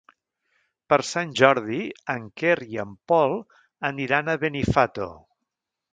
Per Sant Jordi en Quer i en Pol aniran a Benifato.